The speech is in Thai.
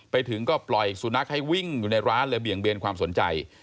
ไปถึงก็ปล่อยสุนัขให้วิ่งอยู่ในร้านเลยเบี่ยงเบนความสนใจ